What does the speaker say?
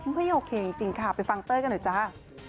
ไม่โอเคจริงค่ะไปฟังเต้ยกันหน่อยจ้า